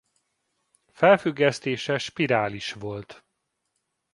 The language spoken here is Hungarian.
Felfüggesztése spirális volt.